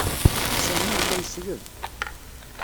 Sami yella yesleb.